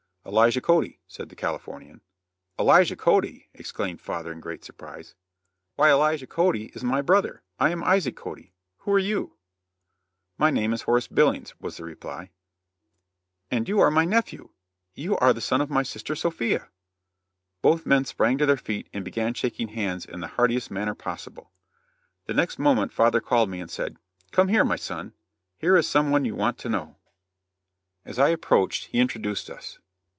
"Elijah Cody," said the Californian. "Elijah Cody!" exclaimed father, in great surprise; "why Elijah Cody is my brother. I am Isaac Cody. Who are you?" "My name is Horace Billings," was the reply. "And you are my nephew. You are the son of my sister Sophia." Both men sprang to their feet and began shaking hands in the heartiest manner possible. The next moment father called me, and said: "Come here, my son. Here is some one you want to know." As I approached he introduced us.